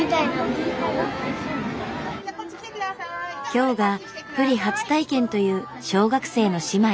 今日がプリ初体験という小学生の姉妹。